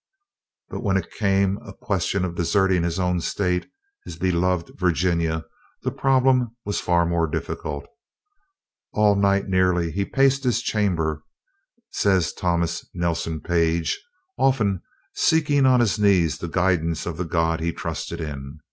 But when it came a question of deserting his own State, his beloved Virginia, the problem was far more difficult. "All night nearly he paced his chamber," says Thomas Nelson Page, "often seeking on his knees the guidance of the God he trusted in.